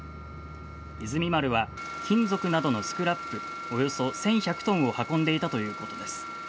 「いずみ丸」は金属などのスクラップおよそ１１００ｔを運んでいたということです。